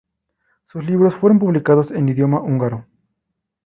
Sus libros fueron publicados en idioma húngaro.